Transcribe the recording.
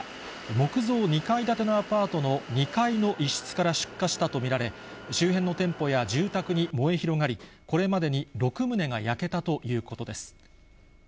木造２階建てのアパートの２階の一室から出火したと見られ、周辺の店舗や住宅に燃え広がり、これまでに６棟が焼けたということです。